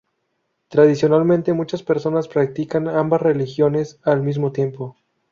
Tradicionalmente, muchas personas practican ambas religiones al mismo tiempo.